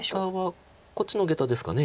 こっちのゲタですかね。